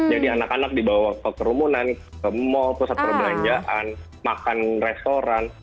jadi anak anak dibawa ke kerumunan ke mall pusat perbelanjaan makan restoran